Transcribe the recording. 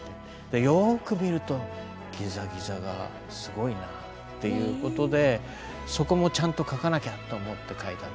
よく見るとギザギザがすごいなあっていうことでそこもちゃんと描かなきゃと思って描いたんでしょうね。